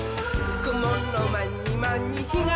「くものまにまにひがさせば」